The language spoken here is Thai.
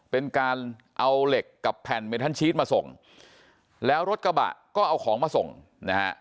เป็นการเอาเหล็กกับแผ่นเมทันชีสมาส่งแล้วรถกระบะก็เอาของมาส่งนะฮะ